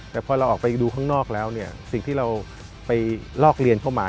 แต่พอเราออกไปดูข้างนอกแล้วเนี่ยสิ่งที่เราไปลอกเรียนเข้ามา